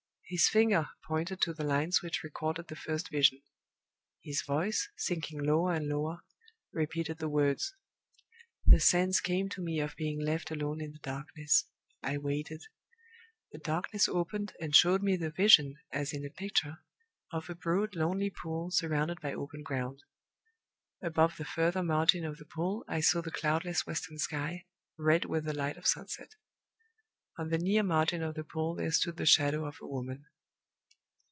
His finger pointed to the lines which recorded the first Vision; his voice, sinking lower and lower, repeated the words: "The sense came to me of being left alone in the darkness. "I waited. "The darkness opened, and showed me the vision as in a picture of a broad, lonely pool, surrounded by open ground. Above the further margin of the pool I saw the cloudless western sky, red with the light of sunset. "On the near margin of the pool there stood the Shadow of a Woman."